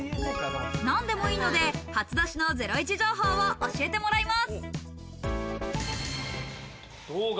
何でもいいので初出しのゼロイチ情報を教えてもらいます。